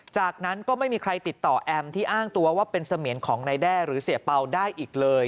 จากนั้นก็ไม่มีใครติดต่อแอมที่อ้างตัวว่าเป็นเสมียนของนายแด้หรือเสียเป่าได้อีกเลย